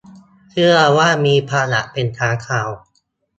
เชื่อว่ามีพาหะเป็นค้างคาว